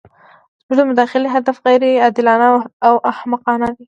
زموږ د مداخلې هدف غیر عادلانه او احمقانه وو.